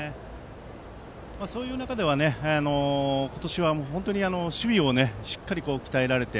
そういう中では今年は、本当に守備をしっかり鍛えられて。